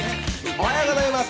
おはようございます！